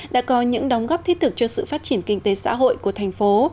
đã có những đóng góp thiết thực cho sự phát triển kinh tế xã hội của thành phố